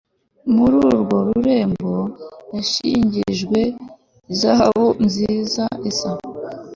muri urwo rurembo yashigirijwe izahabu nziza isa